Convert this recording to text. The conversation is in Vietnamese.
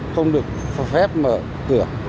không được phép mở cửa